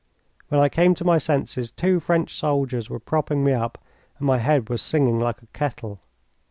When I came to my senses two French soldiers were propping me up, and my head was singing like a kettle.